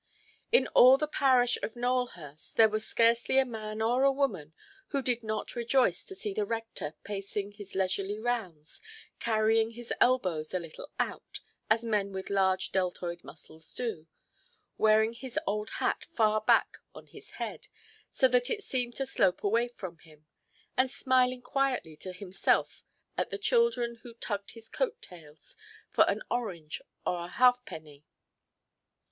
In all the parish of Nowelhurst there was scarcely a man or a woman who did not rejoice to see the rector pacing his leisurely rounds, carrying his elbows a little out, as men with large deltoid muscles do, wearing his old hat far back on his head, so that it seemed to slope away from him, and smiling quietly to himself at the children who tugged his coat–tails for an orange or a halfpenny.